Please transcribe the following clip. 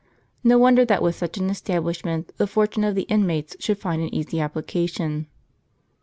IS'o wonder that with such an establishment, the fortune of the inmates should find an easy application.